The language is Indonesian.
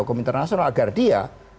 hukum internasional agar dia